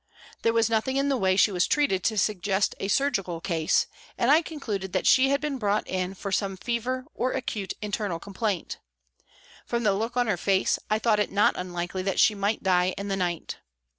There was nothing in the way she was treated to suggest a surgical case, and I concluded that she had been brought in for some fever or acute internal complaint ; from the look on her face I thought it not unlikely that she might die in the night.